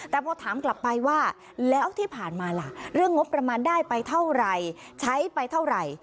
แต่พอถามกลับไปว่าแล้วที่ผ่านมาล่ะเรื่องงบประมาณได้ไปเท่าไหร่ใช้ไปเท่าไหร่